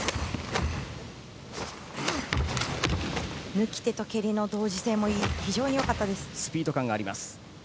貫手と蹴りの同時性も非常に良かったです。